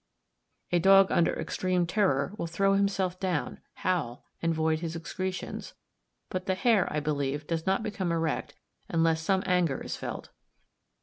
A dog under extreme terror will throw himself down, howl, and void his excretions; but the hair, I believe, does not become erect unless some anger is felt.